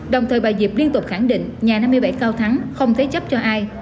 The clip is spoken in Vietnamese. đồng thời bà diệp liên tục khẳng định nhà năm mươi bảy cao thắng không thế chấp cho ai